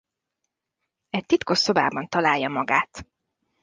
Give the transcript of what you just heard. Egy titkos szobában találja magát.